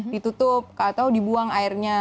ditutup atau dibuang airnya